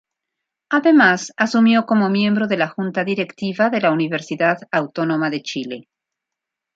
Además, asumió como miembro de la junta directiva de la Universidad Autónoma de Chile.